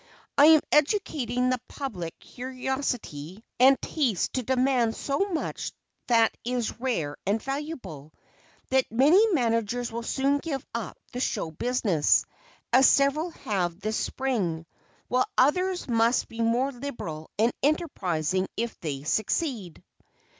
I am educating the public curiosity and taste to demand so much that is rare and valuable, that many managers will soon give up the show business, as several have this spring, while others must be more liberal and enterprising if they succeed.